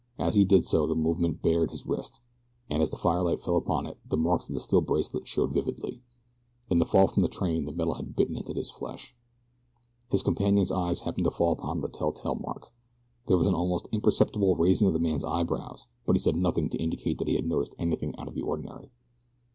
As he did so the movement bared his wrist, and as the firelight fell upon it the marks of the steel bracelet showed vividly. In the fall from the train the metal had bitten into the flesh. His companion's eyes happened to fall upon the telltale mark. There was an almost imperceptible raising of the man's eyebrows; but he said nothing to indicate that he had noticed anything out of the ordinary.